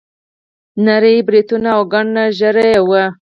نري بریتونه او ګڼه نه ږیره یې وه.